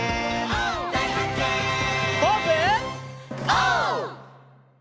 オー！